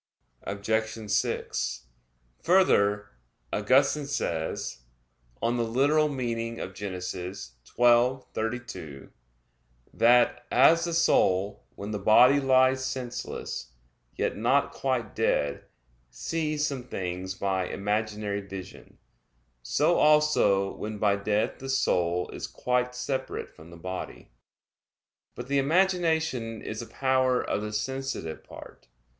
Obj. 6: Further, Augustine says (Gen. ad lit. xii, 32) that, as the soul, when the body lies senseless, yet not quite dead, sees some things by imaginary vision; so also when by death the soul is quite separate from the body. But the imagination is a power of the sensitive part.